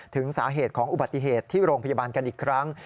ถึงสาเหตุของอุบัติเหตุที่โรงพยาบาลกันอีกครั้ง